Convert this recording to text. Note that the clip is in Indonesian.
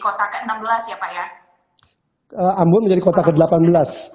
itu saat itu perannya seorang almarhum glenn fredly untuk mewujudkan ambon menjadi kota ke enam belas ya pak ya